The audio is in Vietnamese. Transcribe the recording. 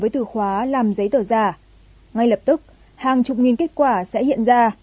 từ khóa làm giấy tờ giả ngay lập tức hàng chục nghìn kết quả sẽ hiện ra